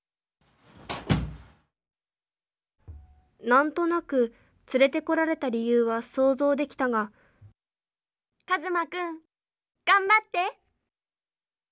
何となく連れてこられた理由は想像できたがカズマくん頑張って！